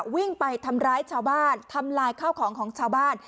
วิ่งไปทำร้ายชาวบ้านทำลายข้าวของของชาวบ้าน